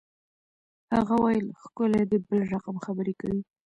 هغه ویل ښکلی دی بل رقم خبرې کوي